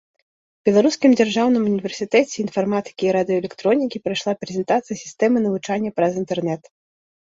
Беларускім дзяржаўным універсітэце інфарматыкі і радыёэлектронікі прайшла прэзентацыя сістэмы навучання праз інтэрнэт.